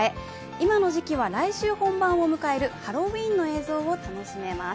今の時期は、来週本番を迎えるハロウィーンの映像を楽しめます。